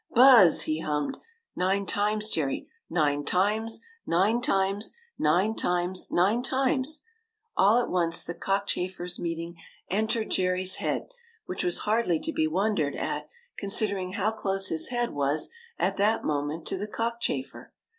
" Buz z z," he hummed ;" nine times, Jerry, nine times, nine times, nine times, nine times —" All at once, the cockchafer's meaning entered i68 THE KITE THAT Jerry's head, which was hardly to be wondered at, considering how close his head was at that moment to the cockchafer.